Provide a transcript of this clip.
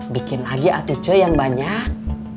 bikin lagi aku ce yang banyak